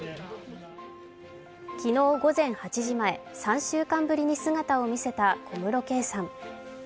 昨日午前８時前、３週間ぶりに姿を見せた小室圭さん。